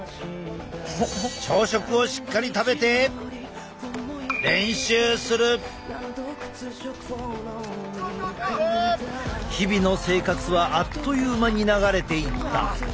朝食をしっかり食べて日々の生活はあっという間に流れていった。